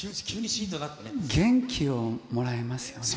元気をもらいますよね。